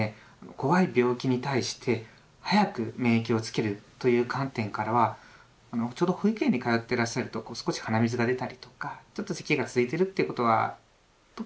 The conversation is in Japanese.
怖い病気に対して早く免疫をつけるという観点からはちょうど保育園に通ってらっしゃると少し鼻水が出たりとかちょっとせきが続いてるっていうことは特にあると思うんですよね。